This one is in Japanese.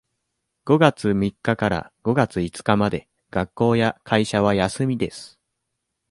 五月三日から五月五日まで学校や会社は休みです。